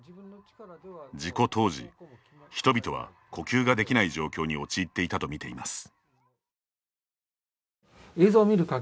事故当時、人々は呼吸ができない状況に陥っていたと見ています。